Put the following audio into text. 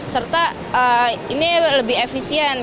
serta ini lebih efisien